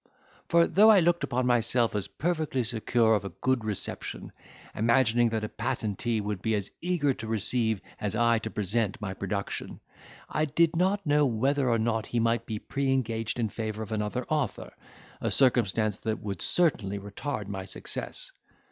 For, though I looked upon myself as perfectly secure of a good reception, imagining that a patentee would be as eager to receive as I to present my production, I did not know whether or not he might be pre engaged in favour of another author, a circumstance that would certainly retard my success.